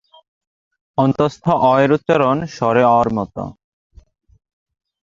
য় এর উচ্চারন অ এর মত।